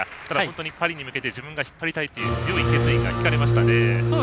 ただ、本当にパリに向けて自分が引っ張っていきたいという強い決意が聞かれましたね。